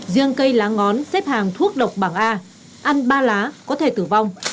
riêng cây lá ngón xếp hàng thuốc độc bảng a ăn ba lá có thể tử vong